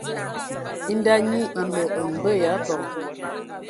E nda nyi e nə mbə ya abəŋ.